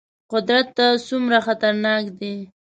قدرت ته څومره خطرناک دي.